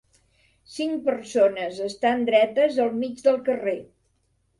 Cinc persones estan dretes al mig del carrer.